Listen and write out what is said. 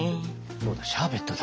そうだシャーベットだ。